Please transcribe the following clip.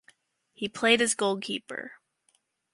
He played as goalkeeper.